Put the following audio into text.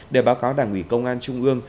để báo cáo đảng ủy công an trung ương